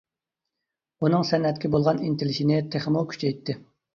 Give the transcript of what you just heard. ئۇنىڭ سەنئەتكە بولغان ئىنتىلىشىنى تېخىمۇ كۈچەيتتى.